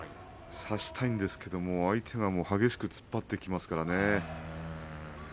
差したいんですけれど相手が激しく突っ張ってきますからね。